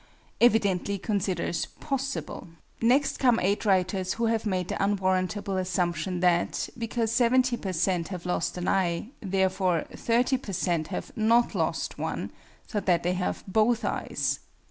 evidently considers possible. Next come eight writers who have made the unwarrantable assumption that, because 70 per cent. have lost an eye, therefore 30 per cent. have not lost one, so that they have both eyes.